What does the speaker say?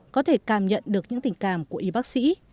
có thể cảm nhận được những tình cảm của y bác sĩ